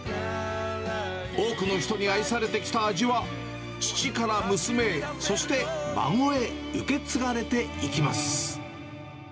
多くの人に愛されてきた味は、父から娘へ、そして孫へ受け継がれていきます。